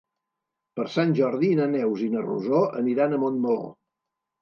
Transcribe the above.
Per Sant Jordi na Neus i na Rosó aniran a Montmeló.